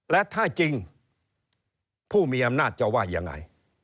และถ้าจริงผู้มีอำนาจจะว่ายังไง